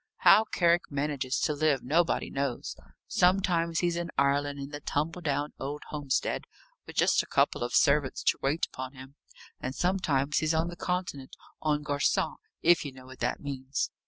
How Carrick manages to live nobody knows. Sometimes he's in Ireland, in the tumble down old homestead, with just a couple of servants to wait upon him; and sometimes he's on the Continent, en garçon if you know what that means.